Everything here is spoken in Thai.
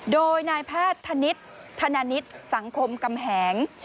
โดยนายแพทย์ธนิษฐ์ธนิษฐ์สังคมกำแหง